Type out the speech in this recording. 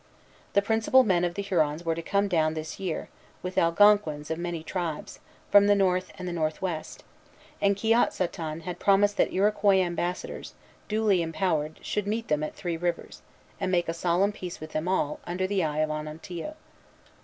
The principal men of the Hurons were to come down this year, with Algonquins of many tribes, from the North and the Northwest; and Kiotsaton had promised that Iroquois ambassadors, duly empowered, should meet them at Three Rivers, and make a solemn peace with them all, under the eye of Onontio.